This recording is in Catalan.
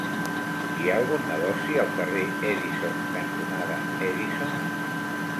Hi ha algun negoci al carrer Edison cantonada Edison?